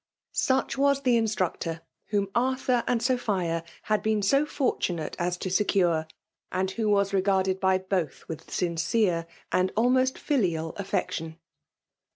Such was the instructor whom Arthur and Sophia had been so fortunate as to secure and who was regarded by botib with sincere and fthnost fiUal affisction.